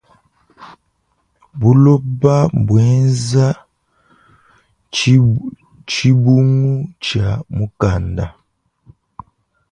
Buloba mbuenza tshibungu tshia mukanda.